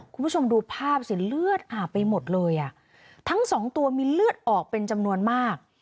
คุณผู้ชมดูภาพสิเลือดอาบไปหมดเลยอ่ะทั้งสองตัวมีเลือดออกเป็นจำนวนมาก